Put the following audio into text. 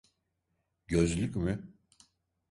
Gözlük mü?